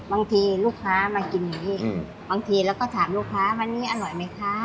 บางทีลูกค้ามากินอย่างนี้บางทีเราก็ถามลูกค้าวันนี้อร่อยไหมคะ